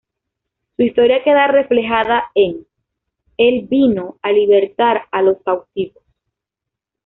Su historia queda reflejada en "Él vino a libertar a los cautivos".